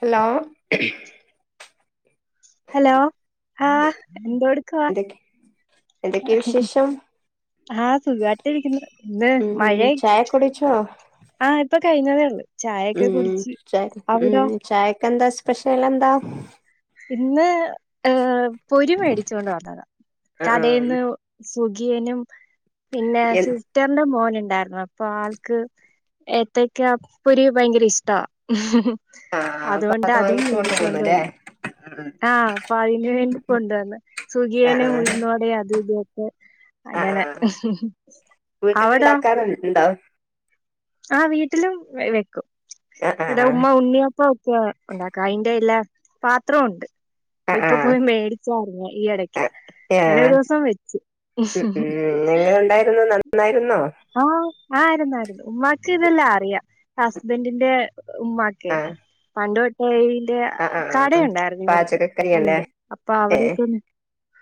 Hello hello ആ എന്തട്ക്കാ എന്തൊക്കെ വിശേഷം ആഹ് സുഖായിട്ട് ഇരിക്കുന്നു ഇന്ന് ഉം മഴേ ചായ കുടിച്ചോ ആഹ് ഇപ്പ കഴിഞ്ഞതേ ഒള്ളൂ ഉം ചായ ഉം ചായക്കെന്താ സ്പെഷ്യൽ എന്താ ഇന്ന് ഏഹ് പൊരി മേടിച്ചു കൊണ്ട് വന്നതാ ആ ആ കടയിൽന്ന് സുഖിയനും പിന്നെ എ സുഖി സിസ്റ്ററിന്റെ മോനുണ്ടായിരുന്നു അപ്പൊ ആൾക്ക് ഏത്തക്ക പൊരി ഭയങ്കര ഇഷ്ടമാ. ആഹ് അപ്പൊ അതുകൊണ്ട് അത് അതും വാങ്ങിച്ചു കൊണ്ട് മേടിച്ചുകൊണ്ട് പോന്നുല്ലേ വന്നു. ഉം ആഹ് അപ്പൊ അതിന് വേണ്ടി കൊണ്ടുവന്ന് ആഹ് സുഖിയനും ആഹ് ഉഴുന്ന് വടയും അതും ഇതൊക്കെ ആഹ് അങ്ങനെ അവിടോ വെക്കലുണ്ടോ ആ വീട്ടിലും വെക്കും ഏ ഇവിടെ ഉമ്മ ഉണ്ണിയപ്പം ഒക്കെ ഉണ്ടാക്കും അതിന്റെ എല്ലാ പാത്രവും ഉണ്ട്. ഇപ്പൊ ആഹ് പോയി മേടിച്ചായിരുന്ന് ഈ ഇടയ്ക്ക് ഏഹ് എങ്ങനെ ഉണ്ടായിരുന്നു നന്നായിരുന്നോ ആ ആയിരുന്നായിരുന്നു ഉമ്മാക്ക് ഇതെല്ലാം അറിയാം ഹസ്ബന്റ് ന്റെ ഉമ്മാക്ക് ആഹ് പണ്ട് തൊട്ട് ഇതിന്റെ ആഹ് ആഹ് കടയുണ്ടായിരുന്നു ഇവർക്ക് പാചകക്കരിയല്ലേ ഉണ്ട് അപ്പൊ ഏഹ് അവിടെക്ക്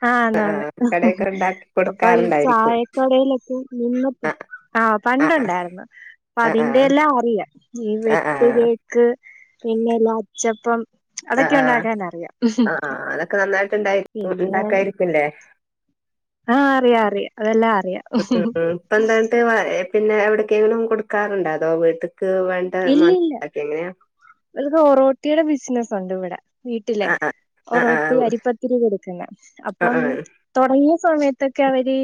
ആഹ് ആന്ന് ആന്ന് കടയൊക്കെ ഉണ്ടാക്കി അപ്പൊ ഈ കൊടുക്കാറുണ്ടായിരിക്കും ചായക്കടയിലൊക്കെ നിന്നിട്ട് ആഹ് ആഹ് പണ്ടുണ്ടായിരുന്നു അപ്പോ ആഹ് ആഹ് അതിന്റെ എല്ലാം അറിയാം ഈ ആഹ് വെട്ട് ആഹ് ആഹ് കേക്ക്. ക്ക് പിന്നെല്ലേ അച്ചപ്പം ആ അതൊക്കെ ഉണ്ടാക്കാൻ അറിയാം ആ അതൊക്കെ നന്നായിട്ട് ഇണ്ടായി പിന്നെ ഉണ്ടാക്കായിരിക്കുല്ലേ ആഹ് അറിയാം അറിയാം അതെല്ലാം അറിയാം. ഉം ഇപ്പ എന്താന്നിട്ട് പിന്നെ എവിടക്കെങ്കിലും കൊടുക്കാറുണ്ടോ അതോ വീട്ട്ക്ക് വേണ്ടി മാത്രം ഉണ്ടാക്കി എങ്ങനെയാ ഒരു ഒറോട്ടിയുടെ ബിസിനസ്സ് ഉണ്ട് ഇവിടെ വീട്ടിലെ ആഹ് ആഹ് ആഹ് ഒറോട്ടി അരിപ്പത്തിരി കൊടുക്കുന്നത് ആഹ് അപ്പം ആഹ് തുടങ്ങിയ സമയത്തൊക്കെ അവര്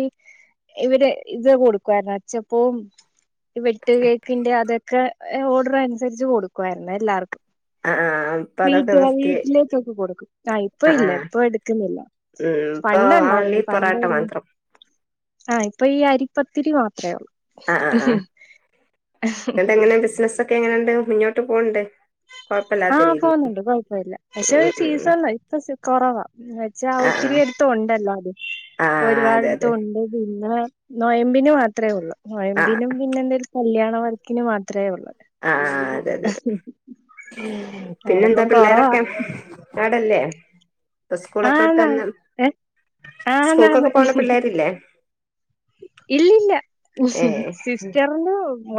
ഇവര് ഇത് കൊടുക്കു ആയിരുന്നു അച്ചപ്പവും ഈ വെട്ട് കേക്കിന്റെ അതൊക്കെ ഓർഡർ അനുസരിച്ച് കൊടുക്കുവായിരുന്നു എല്ലാർക്കും ആഹ് ആഹ് ആഹ് ഇപ്പ അതൊക്കെ വീട്ടിൽ നിർത്തി വീട്ടിലേക്കൊക്കെ കൊടുക്കും ആ ഇപ്പം ആഹ് ഇല്ല, ആഹ് ഇപ്പം എടുക്കുന്നില്ല ഉം ഇപ്പൊ പണ്ട് ഓൺലി ഉണ്ടായിരുന്നു പണ്ട് പൊറാട്ട മാത്രം ആഹ് ഇപ്പൊ ഈ അരിപ്പത്തിരി മാത്രമേ ഉള്ളൂ ആ ആ ആ പിന്നെ എങ്ങനെ ബിസിനസ് ഒക്കെ എങ്ങനെയുണ്ട് മുന്നോട്ട് പോവുണ്ടോ. ആഹ് പോവുന്നുണ്ട് കുഴപ്പമില്ല ഉം പക്ഷെ ഉം ഉം സീസൺല്ല ഇപ്പം കൊറവാ പക്ഷേ ഒത്തിരി ആഹ് എടുത്ത് ഉണ്ടല്ലോ അത് ആഹ് ഇപ്പൊ ആഹ് ഒരുപാട് അതെ അതെ അടുത്തും ഉണ്ട് പിന്നെ നൊയമ്പിന് മാത്രമേ ഉള്ളൂ ആഹ് നൊയമ്പിനും പിന്നെ എന്തെലും കല്യാണ വർക്കിന് മാത്രമേ ഉള്ളൂ ആഹ് അതെ അതെ പിന്നെന്താ അങ്ങനിപ്പം കൊറവാ പിള്ളേരൊക്കെ ആണല്ലേ. ഇപ്പം സ്കൂളൊക്കെ വിട്ട് ആന്നാന്ന് വരുമ്പോൾ ഏ ആന്നാന്ന് സ്കൂൾക്കൊക്കെ പോണ പിള്ളേരില്ലേ ഇല്ലല്ല ഏഹ് സിസ്റ്റർ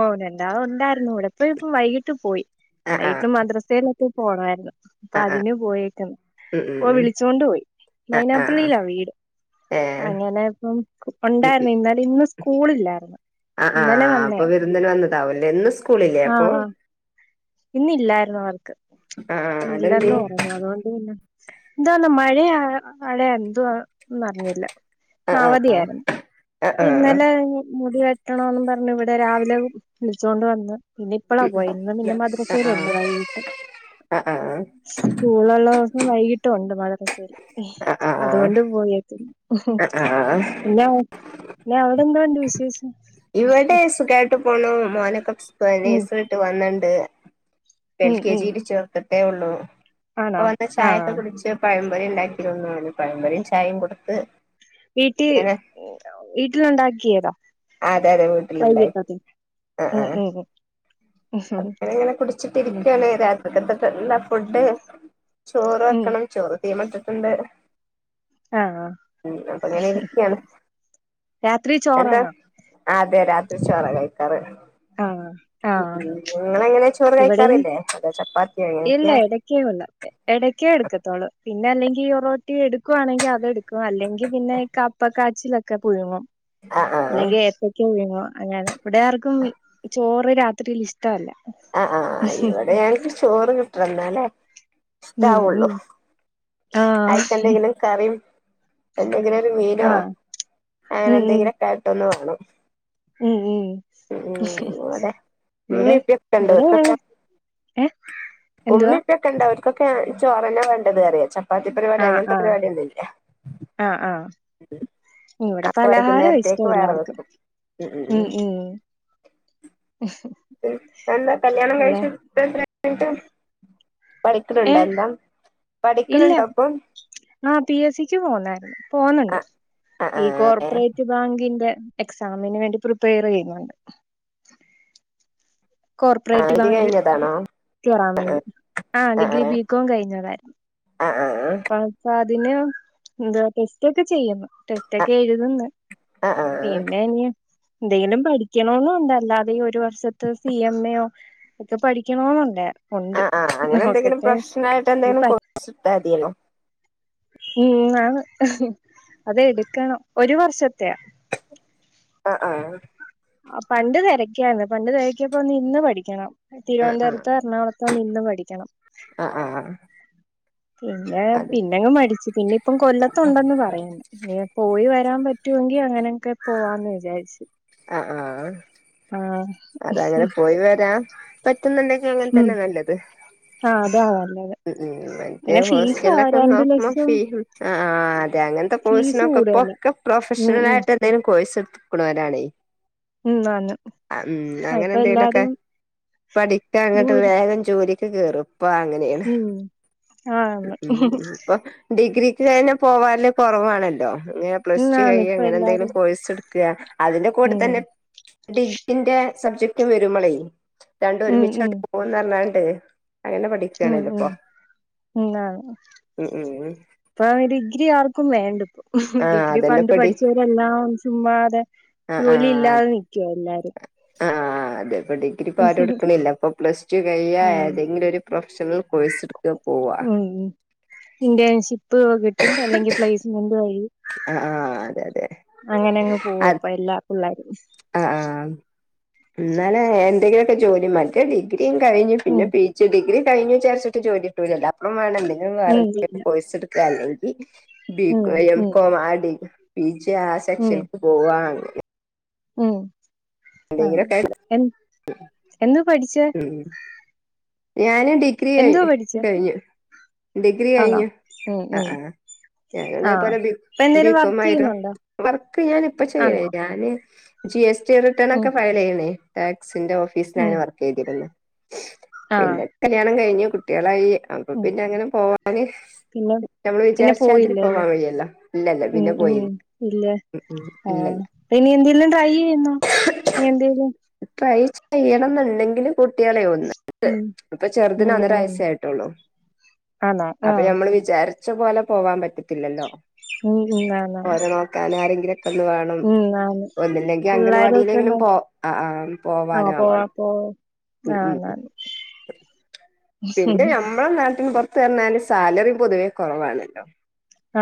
ഓ രണ്ടാളും ഉണ്ടായിരുന്നു ഒരിത്തനിപ്പോ വൈകിട്ട് പോയി ആഹ് വൈകിട്ട് മദ്രസൽ പോണമായിരുന്നു അപ്പൊ ആഹ് ആഹ് ആഹ് അതിന് പോയേക്കണ് ഉം ഇപ്പം ഉം വിളിച്ചോണ്ട് പോയി ആഹ് മൈനാപ്പള്ളിയിലാ വീട് ഏഹ് അങ്ങനെ ഇപ്പം ഒണ്ടാരുന്നു ഇന്നലെ ഇന്ന് സ്കൂള് ഇല്ലാരുന്നു. ആ ആ അപ്പൊ വിരുന്നിന് വന്നതാവല്ലേ. ഇന്ന് സ്കൂളില്ലേ അപ്പൊ. ഇന്ന് ഇല്ലായിരുന്നു അവർക്ക്. ആഹ് ആഹ് ഇന്ന് അതെന്തേ ഇല്ലെന്ന് പറഞ്ഞു, അതുകൊണ്ട് പിന്നെ എന്തോന്ന് മഴയ, മഴ എന്തുവാന്നറിഞ്ഞില്ല അവധിയാരുന്നു. ആഹ് പ്പ ആഹ് ഇന്നലെ മുടി വെട്ടണോംന്ന് പറഞ്ഞു ഇവിടെ രാവിലെ വിളിച്ചോണ്ട് വന്ന്. പിന്നെ ഇപ്പളാ പോയത്. ഇന്ന് പിന്നെ ആഹ് മദ്രസയിലുണ്ട് ആഹ് വൈകിട്ട് ആഹ് ആഹ് സ്കൂളൊള്ള ദിവസം വൈകിട്ടും ഒണ്ട് മദ്രസ്സേല് ആഹ് ആഹ് അതുകൊണ്ട് പോയേക്ക്‌ന്ന് ആഹ് ആഹ് പിന്നെ പിന്നെ അവിടെ എന്തോ ഉണ്ട് വിശേഷം. ഇവിടെ സുഖായിട്ടു പോണു. മോനൊക്കെ പരീക്ഷ ഉം റിസൽട്ട് വന്ന്ണ്ട്. എൽ ഉം കെ ഉം ജിയില് ചേർത്തിട്ടേ ഒള്ളൂ ആണോ ഇപ്പോ വന്ന് ചായയൊക്കെ ആഹ് കുടിച്ച് പഴംപൊരി ഉണ്ടാക്കി ഒന്ന് ഓന് പഴം പൊരീം ചായേം കൊടുത്ത് വീട്ടി അങ്ങനെ വീട്ടിലുണ്ടാക്കിയതാ അ അതെ അതെ വീട്ടിലുണ്ടായി വൈകിട്ടത്തിന് ആ ആ ഉം ഉം അപ്പഴ് ഇങ്ങനെ ഉം കുടിച്ചിട്ടിരിക്കയാണ് രാ ക്കത്തക്കല്ല ഫുഡ് ചോറ് ഉം വെക്കണം ചോറ് തീ മട്ടിട്ടുണ്ട് ആഹ് മം അപ്പൊ അങ്ങനെ ഇരിക്കാണ് രാത്രി എന്താ ചോറാണോ ആ അതെ രാത്രി ചോറ കഴിക്കാറ് ആഹ് ആഹ് നിങ്ങളെങ്ങനെ ചോറ് ഇവിടെയും കഴിക്കാറില്ലേ അതൊ ചപ്പാത്തിയോ എങ്ങനൊക്കെയാ യ്ക്കേ ഒള്ളാത്തെ എടക്കേ എട്ക്കത്തോളൂ പിന്നെ അല്ലെങ്കിൽ ഒറോട്ടി എടുക്കുവാണെങ്കിൽ അതെടുക്കും അല്ലെങ്കി പിന്നെ കപ്പക്കാച്ചിലൊക്കെ പുഴുങ്ങും ആഹ് അല്ലെങ്കിൽ ഏത്തക്ക പുഴുങ്ങും അങ്ങനെ ഇവിടെ ആർക്കും ചോറ് രാത്രിയിൽ ഇഷ്ടവല്ല ആ ആ ഇവിടെയെനിക്ക് ചോറ് കിട്ടണം ന്നാലെ ഉം ഇഷ്ടാവുള്ളൂ ഉം ആഹ് ആയിക്കെന്തെങ്കിലും കറിയും എന്തെങ്കിലും ഒരു മീനോ ആഹ് അങ്ങനെ എന്തെങ്കിലും ഒക്കെ ആയിട്ട് ഒന്ന് വേണം മ് ഉം ഉം മ് ഇവിടെ ഇവിടെ ഉമ്മേം ഉപ്പേം ഉണ്ട് ഇവിടേ ഏ ഉമ്മി എന്തുവാ ഇപ്പൊക്കെ ഉണ്ട് അവർക്കൊക്കെ ചോറെന്നെ വേണ്ടത്റിയ ചപ്പാത്തി പരിപാടി അങ്ങനത്തെ പരിപാടിയൊന്നുല്ല ആ ആ ഇവിടെ അപ്പൊ പലഹാരം വൈകുന്നേരത്തേക്ക് ഇഷ്ടം വേറെ എല്ലാവർക്കും വെക്കും ഉം മ് ഉം മ് നല്ലാ കല്യാണം ഇവിടെ കഴിച്ച് [unintelligible] ഏ പഠിക്കണൊണ്ടോ എന്തം പഠിക്കണൊണ്ടൊ ഇപ്പം ആ പി എസ് സിക്ക് പോന്നായിരുന്നു ആ പോുന്നുണ്ട് ആ ആ ഈ കോർപ്പറേറ്റ് ബാങ്കിന്റെ എക്സാമിന് വേണ്ടി പ്രിപ്പയർ ചെയ്യുന്നുണ്ട് ആ കോർപ്പറേറ്റ് ഇത് ബാങ്ക് കഴിഞ്ഞതാണോ കേറാൻ വേണ്ടി ആ ഡിഗ്രി ബികോം കഴിഞ്ഞതാരുന്നു ആ ആ ആ അപ്പ അതിന് എന്ത ടെസ്റ്റ് ഒക്കെ ചെയ്യുന്നു ടെസ്‌റ്റോക്കെ എഴുത്ന്ന് ആ ആ പിന്നെ ഇനി എന്തെങ്കിലും പഠിക്കണന്ന് ഒണ്ടല്ലാതെ ഈ ഒരു വർഷത്ത് സി എം എയോ ഒക്കെ പഠിക്കണോന്നൊണ്ടേ ഒണ്ട് ആ ആ നോക്കട്ടെ ഇത് ബസ് [unintelligible] ഉം ആന്ന് അതെടുക്കണം ഒരു വർഷത്തെയാ ആ ആ ആ പണ്ട് തിരക്യാര്ന്ന് പണ്ട് തിരക്കിയപ്പോ നിന്ന് പഠിക്കണം ആ തിരുവനന്തപുരത്തോ എറണാകുള നിന്ന് പഠിക്കണം ആ ആ ആ പിന്നെ അതെ പിന്നെങ്ങ് മടിച്ചു പിന്നെ ഇപ്പം കൊല്ലത്തൊണ്ടെന്ന് പറയ്ന്ന് ഇങ്ങനെ പോയി വരാൻ പറ്റുവെങ്കി അങ്ങനെയൊക്കെ പോവാന്ന് വിചാരിച്ചു ആ ആഹ് അങ്ങനെ പോയി വരാം പറ്റുന്നുണ്ടെങ്കിൽ അങ്ങനെ ഉം തന്നെ നല്ലത് ആഹ് അതാ നല്ലത് മം മറ്റേ പിന്നെ ഫീസാ ഹോസ്റ്റൽ ഒക്കെ രണ്ട് നോക്കുമ്പോ ലക്ഷം ഫി ആ അതെ അങ്ങനത്തെ ഫീസ് കോഴ്സിനൊക്കെ ഇപ്പൊ കൂടുതലാ ഒക്കെ ഉം പ്രൊഫഷണൽ ഉം ആയിട്ട്- എന്തിലും കോഴിസ് എടുത്തുക്കുന്നതാണേ [unintelligible] അങ്ങനെ എന്തെങ്കിലുക്കെ എല്ലാരും പഠിക്കാ അങ്ങോട്ട് ദൂരെ വേഗം ജോലിയൊക്കെ കേറും ഇപ്പ അങ്ങനെ- ഉം അപ്പം ആന്ന് [unintelligible] ഡിഗ്രിക്ക് തന്നെ പോവാല് കൊറവാണല്ലോ ഇങ്ങനെ ഉം പ്ലസ് ടു ആന്ന് കഴിഞ്ഞ് ഇപ്പൊ അങ്ങനെ എന്തെങ്കിലും എല്ലാരും കോഴ്സ് എടു- അതിന്റെ കൂടെ ഉം തന്നെ ഡിഗ്രിന്റെ സബ്ജക്റ്റും വരുമ്പളെ രണ്ടും ഉം ഉം ഒരുമിച്ചാക്കി പോവുംന്ന് പറഞ്ഞാണ്ട് അങ്ങനെ പഠിക്ക ഉം ഉം ഉം ആഹ് ഉം ഉം ഇപ്പൊ ഡിഗ്രി ആർക്കും വേണ്ട ഇപ്പം ആഹ് ഡിഗ്രി അതന്നെ പണ്ട് പടി പഠിച്ച എല്ലാം ചുമ്മാതെ ആഹ് ജോലി ആഹ് ഇല്ലാതെ നിൽക്കുവ എല്ലാരും ആഹ് അത് ഇവിടേം ഡിഗ്രിപ്പോ ആരും ഉം എടുക്കണില്ല ഇപ്പൊ പ്ലസ് ടു കഴിയാ ഏതെങ്കിലും ഒരു പ്രൊഫഷണൽ കോഴ്സ് എടുക്ക പോവാ ഉം ഉം ഇന്റേൺഷിപ്പ് കിട്ടും അല്ലെങ്കിൽ പ്ലേസ്മെന്റ് വഴിയും ആഹ് ആഹ് അതെ അതെ അങ്ങനെ അങ്ങ് പോവ്വ അത് ഇപ്പ എല്ലാ പിള്ളാരും ആഹ് ആഹ് എന്നാലെ എന്തെങ്കിലുമൊക്കെ ജോലി മറ്റേ ഡിഗ്രിയും കഴിഞ് പിന്നെ ഉം പിജി - ഡിഗ്രിഴിഞ്ഞു വിചാരിച്ചിട്ട് ജോലിക്ക്‌ വരുവല്ലോ അപ്പം വേണല്ലേ വേറെ ഉം എന്തേലും കോഴ്സ് എടുക്കുവാ അല്ലെങ്കിൽ ബി ഉം കോം എം ഉം കോം ആ ഡിഗ്രി - പി ജി ആ ഉം സെക്ഷനിക്ക് പോവാണെങ്കി - ഉം ആതെ എന്തെങ്കിലുമൊക്കെ എന്താ പഠിച്ചെ - ഉം ഞാന് ഡിഗ്രി കഴ എന്തോ പഠിച്ചേ കഴിഞ്ഞു ഡിഗ്രി ആണോ കഴിഞ്ഞു ഉം ആഹ് ഉം ആഹ് ഞാനും ആ അതേപോലെ ബി ഇപ്പൊ ബി എന്തേലും കോം വർക്ക് ആമായിരുന്നു ചെയ്യുന്നുണ്ടോ വർക്ക് ഞാനിപ്പ ആണോ ചെയ്യണേല്ല ഞാന്- ജി എസ് ടി റിട്ടേൺ ഉം ഒക്കെ ഫയൽ ചെയ്യണേ ടാക്സിന്റെ ഉം ഓഫീസിലാണ് വർക്ക് ചെയ്തിരുന്നു ആ പിന്നെ കല്യാണം കഴിഞ്ഞ് കുട്ടികളായി അപ്പൊ ഉം പിന്നെ അങ്ങനെ പോവാന്- പിന്നെ നമ്മള് പിന്നെ വിചാരിച്ച അതിന് പോയില്ലേ അല്ലേ പോവാൻ വഴിയല്ല ഇല്ലല്ല പിന്നെ പോയില്ല ഇല്ല ഉം ഉം ആഹ് ഇല്ലല്ല ഇനി എന്തെിലും ട്രൈ ചെയ്യുന്നോ ഇനി എന്തേലും ട്രൈ ചെയ്യണം എന്നുണ്ടെങ്കില് കുട്ടികളെ ഉള്ളൂ ഉം ഇപ്പൊ ചെറുതിന് ഉം ഒന്നര ഉം വയസേ ആയിട്ട്- ഒള്ളൂ ആണോ ആ അതെ ഞമ്മള് വിചാരിച്ച പോലെ പോവാൻ പറ്റത്തില്ലല്ലോ ഉം ഉം ആന് ഞാൻ ആരെങ്കിലും ഒക്കെ - ന്ന് വേണം ഒന്നില്ലെങ്കിൽ പിള്ളാരൊക്കെ അംഗൻവാടിയിലെങ്കിലും നോ പോ ആഹ് ആഹ് ആ പോവാന് പോ ആവണം പോ ഉം ആഹ് ഉം ന്നാന്ന് പിന്നെ നമ്മളെ നാട്ടിലിപ്പം- ല് എന്ന് പറഞ്ഞാല് സാലറി പോതുവെ കൊറവാണ് കേട്ടോ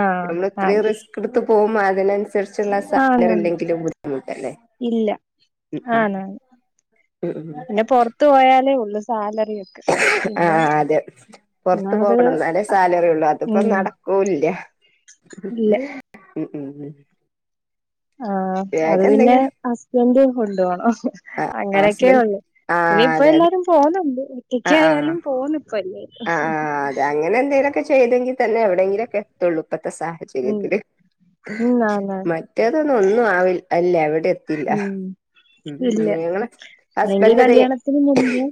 ആഹ് നമ്മള് ഇത്രയും ആണ് റിസ്- ക്ക്‌ എടുത്ത് പോകുമ്പോ അതിനനുസരിച്ച്- ച്ചുള്ള സാലറി ആന്നാന്ന് ഇണ്ടെങ്കിലും ബുദ്ധിമുട്ടല്ലേ ഇല്ല ആന്നാന്ന് ഉം ഉം ഉം പിന്നെ പൊറത്തു പോയാലേ ഉള്ളൂ സാലറി ഒക്കെ പിന്നെ ആഹ് അതെ എന്നാ പൊറത്ത് അത് പോണം എന്നാലേ സാലറിള്ളു അതിപ്പോ ഉം നടകുല- ഇല്ല ഉം ഉം ഉ [unintelligible] ആഹാ അത് പിന്നെ ഹസ്ബൻഡ് കൊണ്ട പോവണം അങ്ങനെയൊക്കെയ ഹസ്ബൻഡ് ഉള്ളൂ ആ ഇനിയിപ്പ അതെ അതെ എല്ലാരും പോന്നൊണ്ട് ആ ഒറ്റക്ക്‌ ആ ആയാലും പോന്ന് ഇപ്പ എല്ലാരും ഇങ്ങനെ എന്തേലൊക്കെ ചെയ്തെങ്കി തന്നെ എവിടെങ്കിലൊക്കെ എത്തുള്ളൂ ഇപ്പത്തെ ഉം സാഹചര്യത്തില് ഉം ആന്നാന്ന് മ റ്റേതു ഒന്നും ആവില്ല അല്ല അവിടെ ഉം ഇല്ല അല്ലെങ്കി ഹസ്ബൻഡ് അത് കല്യാണത്തിന് മുമ്പേ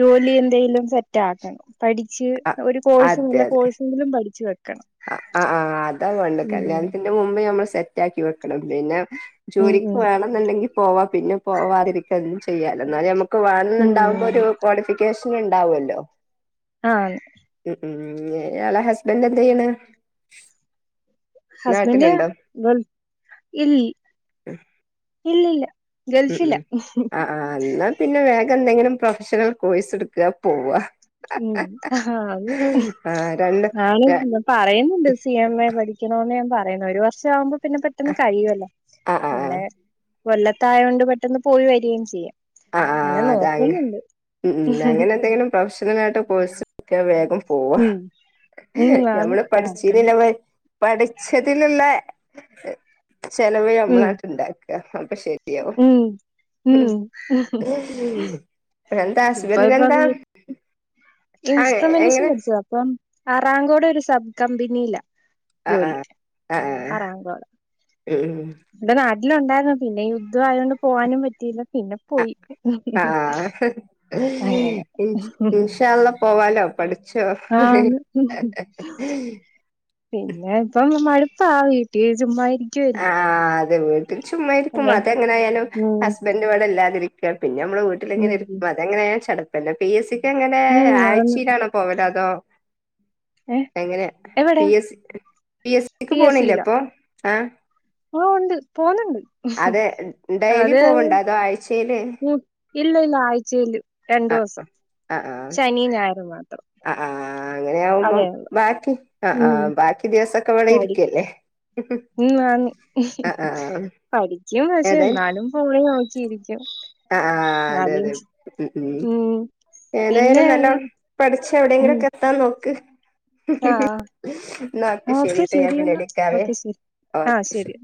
ജോലി എന്തെലും സെറ്റാക്കണം പഠിച്ച് ഒരു കോഴ്സ് നല്ല കോഴ്സ്‌ [unintelligible] പഠിച്ചു വെക്കണം അഹ് ആഹ് അതാ വേണ്ട് ഉം കല്യാണത്തിന്റെ മുമ്പ് നമ്മൾ സെറ്റാക്കി വെക്കണം പിന്നെ ഉം ജോലിക്ക് ഉം വേണംന്നുണ്ടെങ്കി പോവാ പിന്നെ പോവാതിരിക്കും ചെയ്യാലൊ എന്നാലമ്മക്ക് വേണന്നുണ്ടാവുമ്പോ ഒരു ഉം ക്വാളിഫിക്കേഷൻ ണ്ടാവോല്ലോ ആണ് ഉം ഉം ഇയാളെ ഹസ്ബൻറ്എന്തയ്യണ് ഹസ്ബെൻറ്റ് ഇല്ല ഇല്ല ഇല്ല ഉം ഉം അഹ് ആഹ് എന്നാ പിന്നെ വേഗം എന്തെങ്കിലും പ്രൊഫഷണൽ കോഴ്സ് എടുക്ക പോവ ഉം അതെ ആ രണ്ട് ആള് ആ പറയുന്നുണ്ട് സി എം എ പഠിക്കണോന്ന് ഞാൻ പറയുന്നു ഒരു വർഷം ആവുമ്പോം പിന്നെ പെട്ടെന്ന് കഴിയുവല്ലോ ആ പിന്നെ കൊല്ലത്തായ കൊണ്ട് പെട്ടെന്ന് പോയി വരികയും ചെയ്യാം ആഹ് അങ്ങനെ ആഹ് അതങ്‌ നോക്കുന്നുണ്ട് ഉം ഉം അങ്ങനെ എന്തേലും പ്രൊഫഷണലായിട്ട് കോഴ്സട്ക്ക വേഗം പോവാ ഉം ഉം ആണ് ഞമ്മള് നോക്കണം പഠിച്ചീനില്ലെ വെ പഠിച്ചതിലുള്ള ചെലവ് ഉം നമ്മളാട്ട് ഇണ്ടാക്ക അപ്പൊ ശരിയാവും ഉം ഉം എന്താ [unintelligible] ആ ഇൻസ്ട്രുമെന്റ്സും എങ്ങനെ പഠിച്ച് അപ്പം അറാംകോടൊരു സബ് കമ്പിനിയിലാ ആ ആ ജോലിക്ക് ആ ആ അറാംകോട് ഉം ഉം ഇബടെ നാട്ടില്ണ്ടാര്ന്നു പിന്നെഈ യുദ്ധം ആയതോണ്ട് പോവാനും പറ്റിയില്ല പിന്നെ പോയി ആഹ് അങ്ങനെ ഇൻ ഇൻഷാഅള്ളാ പോവാലോ പഠി ച്ചോ ആന്ന് പിന്നെ ഇപ്പം മടുപ്പാ വീട്ടില് ചുമ്മാ ഇരി ആഹ് അതെ വീട്ടിൽ ചുമ്മായിരിക്കുമ്പൊ പിന്നെ അതെങ്ങെനായാലും ഉം ഹസ് ബന്റ് ഇവടെ ഇല്ലാതിരിക്ക പിന്നെ നമ്മള് വീട്ടില്ങ്ങനെ ഉം ഇരിക്കും അതങ്ങനെയാ ചട പ്പന്നെ പി എ സിക്ക് എങ്ങനേ ഉം ആന്ന് ആഴ്ചീലാണോ പോവല് അതോ ഏ എങ്ങനെ എവിടെ പി എ സ് ക്ക് പി എ സിക്ക് പോണില്ലേ ഇപ്പോ ആഹ് ഓഹ് ഉണ്ട് പോണ് ണ്ട് അതെ ഡെയ്ലി അത് പോവ്ണ്ടോ അതോ ആഴ്ചയില് കു ഇല്ല ഇല്ലാ ആഴ്ചയില് ആഹ് രണ്ടൂസം ആഹ് ആഹ് ശനിം ഞായറും മാത്രം ആഹ് അതേ അങ്ങനെയാവുമ്പം ഉള്ളൂ ബാക്കി ആഹ് ഉം ആഹ് ബാക്കി ദിവസൊക്കെ ഇവടെ പഠി ഇരിക്കല്ലേ ഉം വാങ്ങി ആഹ് ആഹ് പഠിക്കും പക്ഷെ ഏതായാലും ന്നാലും ഫോണില് നോക്കിയിരിക്കും ആഹ് ആഹ് അതെ എന്നാലും അതെ ഉം ഉം പിന്നെ ഏതായാലും നല്ലം ഈ- പഠിച്ച് ഉം എവടെങ്കിലൊക്കെ എത്താൻ നോക്ക് ആ ന്നാ ഓക്കേ ഓക്കെ ശരിട്ടോ ഞാൻ ശരി പിന്നെ എന്നാ വിളിക്കാവേ ഓക്കെ ശരി ഓക്കെ ശരി